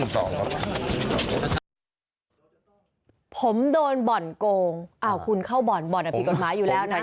ผมโดนบ่อนโกงอ้าวคุณเข้าบ่อนบ่อนผิดกฎหมายอยู่แล้วนะ